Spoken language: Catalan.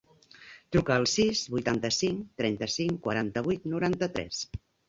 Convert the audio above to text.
Truca al sis, vuitanta-cinc, trenta-cinc, quaranta-vuit, noranta-tres.